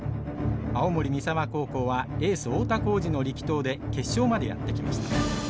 青森三沢高校はエース太田幸司の力投で決勝までやって来ました。